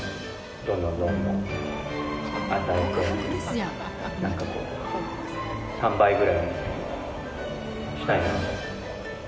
どんどんどんどん与えて、なんかこう、３倍ぐらいにしたいなと。